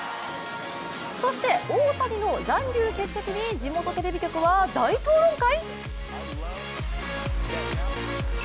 そして大谷の残留決着に地元テレビ局は大討論会？